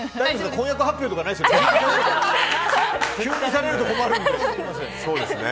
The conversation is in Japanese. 婚約発表とかないですよね？